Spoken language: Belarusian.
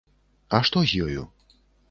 А што з ёю?